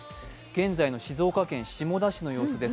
現在の静岡県下田市の様子です。